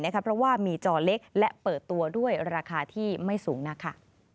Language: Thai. เพราะว่ามีจอเล็กและเปิดตัวด้วยราคาที่ไม่สูงนักค่ะ